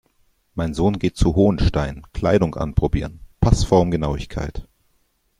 Mein Sohn geht zu Hohenstein, Kleidung anprobieren, Passformgenauigkeit.